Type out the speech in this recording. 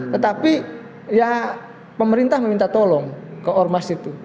tetapi ya pemerintah meminta tolong ke ormas itu